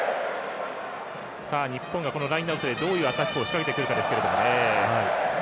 日本がラインアウトでどういうアタックを仕掛けてくるかですけどね。